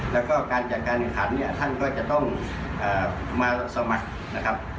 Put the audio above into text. แล้วก็การจัดการแข่งขันเนี่ยท่านก็จะต้องมาสมัครนะครับ